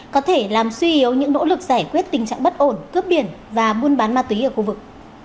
có thể làm suy yếu những nỗ lực giải quyết tình trạng bất ổn cướp biển và buôn bán ma túy ở khu vực